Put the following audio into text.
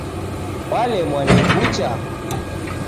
Kwalemwa ni kucha